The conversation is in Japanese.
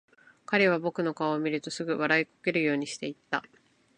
彼は僕の顔を見るとすぐ、笑いこけるようにして言った。